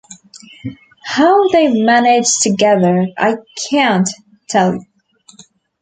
How they managed together, I can’t tell.